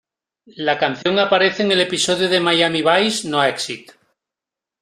La canción aparece en el episodio de Miami Vice "No Exit".